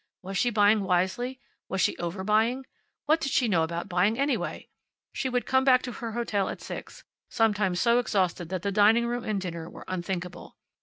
Was she buying wisely? Was she over buying? What did she know about buying, anyway? She would come back to her hotel at six, sometimes so exhausted that the dining room and dinner were unthinkable.